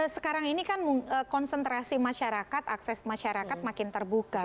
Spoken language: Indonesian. sekarang ini kan konsentrasi masyarakat akses masyarakat makin terbuka